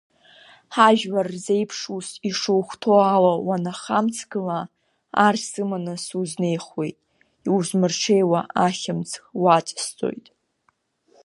Ҳажәлар рзеиԥш ус ишухәҭоу ала уанахамҵгыла, ар сыманы сузнеихуеит, иузмырҽеиуа ахьымӡӷ уаҵасҵоит.